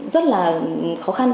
rất là khó khăn